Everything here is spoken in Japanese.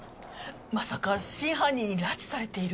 まさか真犯人に拉致されている？